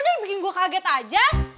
lo deh bikin gue kaget aja